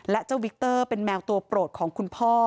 และเจ้าวิกเตอร์เป็นแมวตัวโปรดของคุณพ่อ